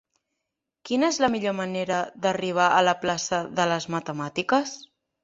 Quina és la millor manera d'arribar a la plaça de les Matemàtiques?